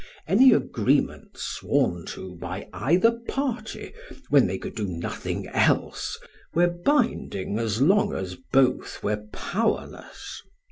Any agreements sworn to by either party, when they could do nothing else, were binding as long as both were powerless.